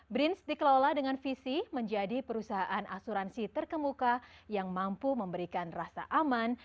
brins dikelola dengan visi menjadi perusahaan asuransi terkemuka yang mampu memberikan rasa aman